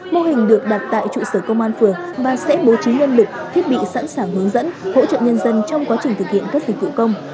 mô hình được đặt tại trụ sở công an phường và sẽ bố trí nhân lực thiết bị sẵn sàng hướng dẫn hỗ trợ nhân dân trong quá trình thực hiện các dịch vụ công